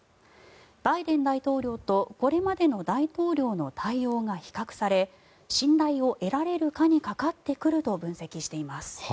バイデン大統領とこれまでの大統領の対応が比較され信頼を得られるかにかかってくると分析しています。